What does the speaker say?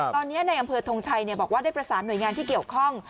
ตอนนี้ในอำเภอทงชัยบอกว่าได้ประสานหน่วยงานที่เกี่ยวข้อง